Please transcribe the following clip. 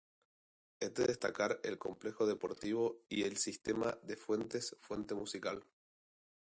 Es de destacar el complejo deportivo y el sistema de fuentes "Fuente Musical".